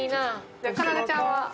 じゃあかなでちゃんは？